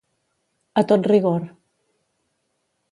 A tot rigor.